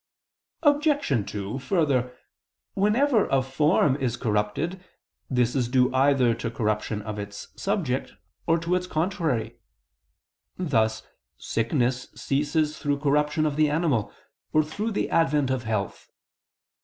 Obj. 2: Further, whenever a form is corrupted, this is due either to corruption of its subject, or to its contrary: thus sickness ceases through corruption of the animal, or through the advent of health.